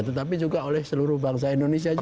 tetapi juga oleh seluruh bangsa indonesia juga